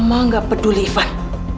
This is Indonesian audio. mama nggak peduli ivan